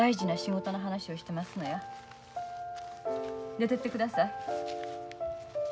出てってください。